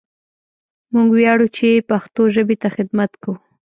موږ وياړو چې پښتو ژبې ته خدمت کوو!